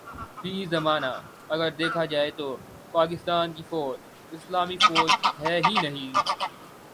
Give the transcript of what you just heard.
فی زمانہ اگر دیکھا جائے تو پاکستان کی فوج اسلامی فوج ہے ہی نہیں